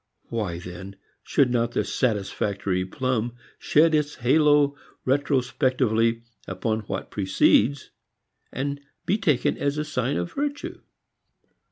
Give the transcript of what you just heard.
Why then should not the satisfactory plum shed its halo retrospectively upon what precedes and be taken as a sign of virtue?